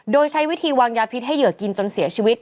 โดยใช้วิธีวางยาพิษให้เหยื่อกินจนเสียชีวิต